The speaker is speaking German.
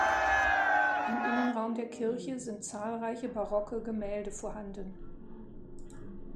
Im Innenraum der Kirche sind zahlreiche barocke Gemälde vorhanden.